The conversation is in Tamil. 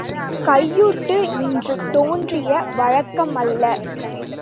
கையூட்டு இன்று தோன்றிய வழக்கமல்ல.